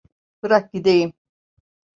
Bırak gideyim!